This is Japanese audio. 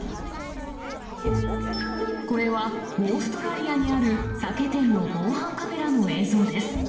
これはオーストラリアにある酒店の防犯カメラの映像です。